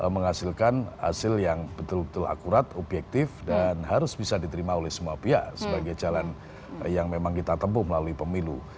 menghasilkan hasil yang betul betul akurat objektif dan harus bisa diterima oleh semua pihak sebagai jalan yang memang kita tempuh melalui pemilu